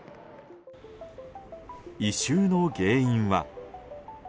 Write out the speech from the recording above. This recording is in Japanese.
異臭の原因は。